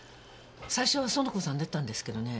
最初は苑子さん出たんですけどね